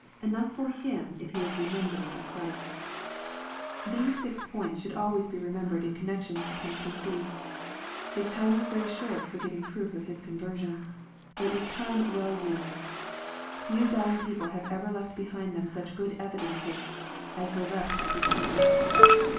Enough for him if he is remembered by Christ. Thestf 472 EXPOSITORY THOUQHTS. six poiuts should always be remembered in connection with the penitent thief. His time was very short for giving proof of his conversion. But it was time well UPed. Few dying people have ever left behind them such good evidences as were left by this man.